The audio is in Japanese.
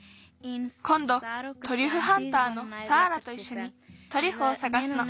こんどトリュフハンターのサーラといっしょにトリュフをさがすの。